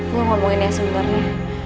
gua ngomongin ya sebelumnya